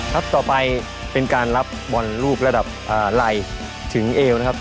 ต่อไปเป็นการรับบอลรูประดับไหล่ถึงเอวนะครับ